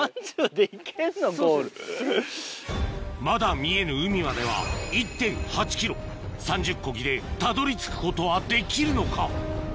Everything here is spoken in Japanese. まだ見えぬ海までは３０コギでたどり着くことはできるのか？